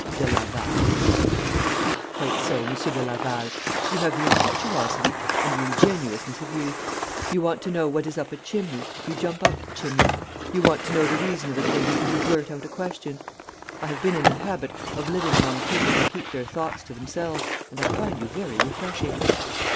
'De Laval.' 'Ah, quite so, Monsieur de Laval. You have the impetuosity and the ingenuousness of youth. You want to know what is up a chimney, you jump up the chimney. You want to know the reason of a thing, and you blurt out a question. I have been in the habit of living among people who keep their thoughts to themselves, and I find you very refreshing.'